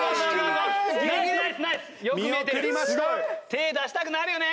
手出したくなるよね